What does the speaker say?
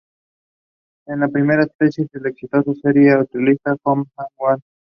Es el primer especial de la exitosa serie australiana "Home and Away".